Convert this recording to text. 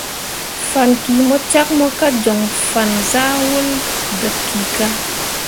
Fan ki mo cak mo ka joŋ fan sãh wol dǝb kika.